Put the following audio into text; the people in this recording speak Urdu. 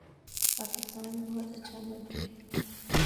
پاکستان بہت اچھا ملک ہے